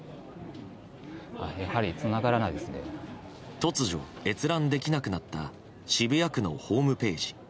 突如、閲覧できなくなった渋谷区のホームページ。